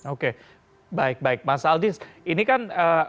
oke baik baik mas aldis ini kan